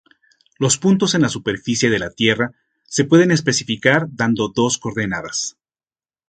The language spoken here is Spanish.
Los puntos en la superficie de la Tierra se pueden especificar dando dos coordenadas.